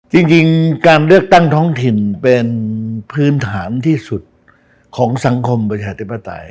จริงการเลือกตั้งท้องถิ่นเป็นพื้นฐานที่สุดของสังคมประชาธิปไตย